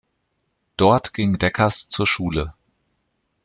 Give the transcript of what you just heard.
Dort ging Deckers zur Schule.